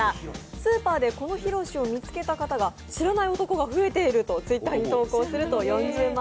スーパーでこのひろしを見つけた方が知らない男が増えていると、Ｔｗｉｔｔｅｒに投稿すると４０万